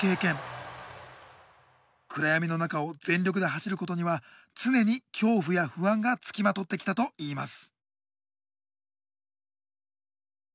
暗闇の中を全力で走ることには常に恐怖や不安がつきまとってきたといいます。